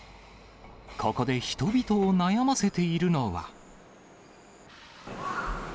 ここで人々を悩ませているのは。